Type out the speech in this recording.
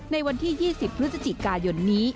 ในวันที่๒๐พฤศจิกายนนี้